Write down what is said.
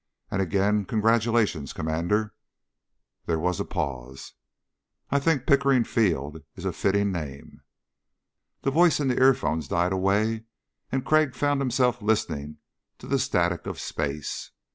"And again congratulations, Commander." There was a pause.... "I think Pickering Field is a fitting name." The voice in the earphones died away and Crag found himself listening to the static of space.